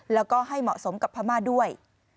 แล้วก็ให้เหมาะสมกับพม่าด้วย